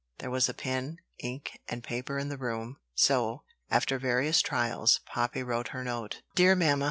There was pen, ink, and paper in the room; so, after various trials, Poppy wrote her note: "dear Mamma.